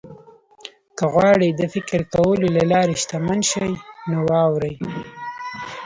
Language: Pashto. که غواړئ د فکر کولو له لارې شتمن شئ نو واورئ.